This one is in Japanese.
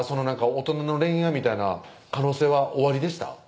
大人の恋愛みたいな可能性はおありでした？